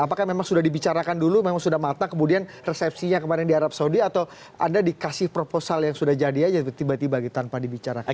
apakah memang sudah dibicarakan dulu memang sudah mata kemudian resepsinya kemarin di arab saudi atau anda dikasih proposal yang sudah jadi aja tiba tiba tanpa dibicarakan